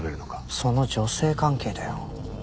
その女性関係だよ。